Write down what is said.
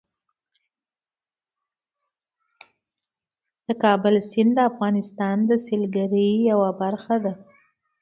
د کابل سیند د افغانستان د سیلګرۍ یوه برخه ده.